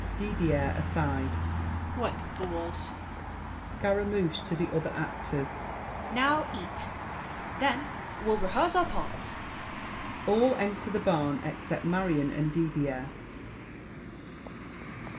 DIDIER (aside). What fools! SCARAMOUCHE (to the other actors). Now eat; Then we'll rehearse our parts. [All enter the barn except Marion and Didier.